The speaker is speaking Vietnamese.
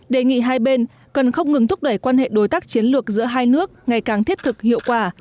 đề nghị hai bên cần không ngừng thúc đẩy quan hệ đối tác chiến lược giữa hai nước ngày càng thiết thực hiệu quả